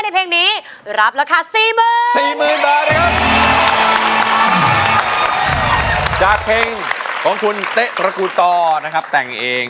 โปรดต่ออีกครั้ง